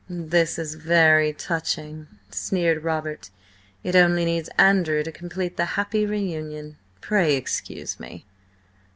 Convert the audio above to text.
"This is very touching," sneered Robert. "It only needs Andrew to complete the happy reunion. Pray excuse me!"